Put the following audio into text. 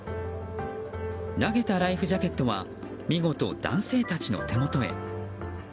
投げたライフジャケットは見事、男性たちの手元へ。